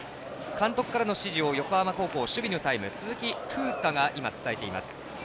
監督からの指示を横浜高校守備のタイム鈴木楓汰が伝えています。